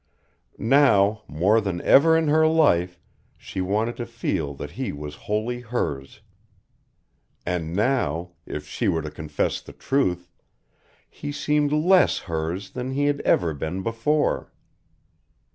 Now, more than ever in her life, she wanted to feel that he was wholly hers; and now, if she were to confess the truth, he seemed less hers than he had ever been before.